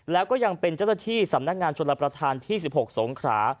แล้วก็ยังเป็นเจ้าหน้าที่สำนักงานชนรับประทานที่๑๖สงขรา